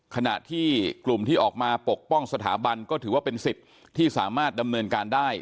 ขณะที่กลุ่มที่ออกมาปกป้องสถาบันก็ถือว่าเป็นสิทธิ์ที่สามารถดำเนินการได้